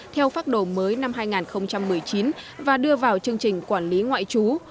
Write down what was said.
theo phác đồ mới năm hai nghìn một mươi chín và đưa vào chương trình quản lý ngoại trú